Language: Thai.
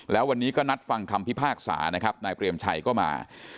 แล้ววันนี้ก็นัดฟังคำพิพากษานะครับนายเปรมชัยก็มา